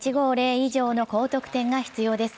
以上の高得点が必要です。